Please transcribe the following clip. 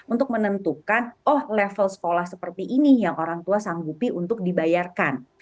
untuk menentukan oh level sekolah seperti ini yang orang tua sanggupi untuk dibayarkan